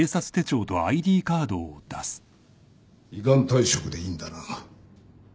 依願退職でいいんだな？